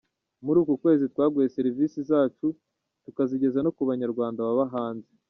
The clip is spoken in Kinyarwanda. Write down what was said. Muri uku kwezi twaguye serivisi zacu tukazigeza no ku banyarwanda baba hanze.